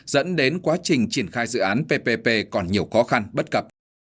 dẫn đến quá trình triển khai dự án ppp còn nhiều khó khăn bất cập